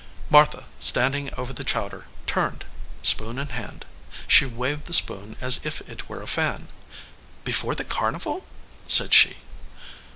Martha, standing over the chowder, turned, spoon in hand. She waved the spoon as if it were a fan. "Before the carnival?" said she.